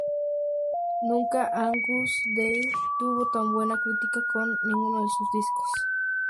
Nunca Agnus Dei tuvo tan buena crítica con ninguno de sus discos.